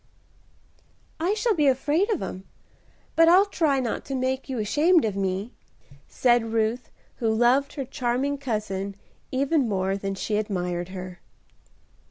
"I shall be afraid of 'em, but I'll try not to make you ashamed of me," said Ruth, who loved her charming cousin even more than she admired her.